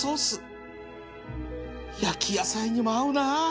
焼き野菜にも合うな